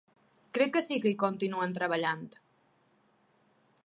Crec que sí que hi continuem treballant.